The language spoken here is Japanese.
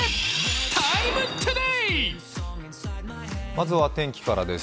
まずは天気からです。